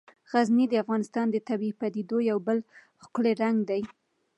غزني د افغانستان د طبیعي پدیدو یو بل ښکلی رنګ دی.